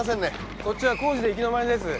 こっちは工事で行き止まりです。